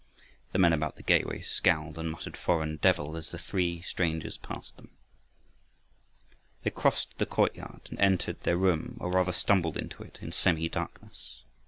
The men about the gateway scowled and muttered "Foreign devil," as the three strangers passed them. They crossed the courtyard and entered their room, or rather stumbled into it, in semi darkness.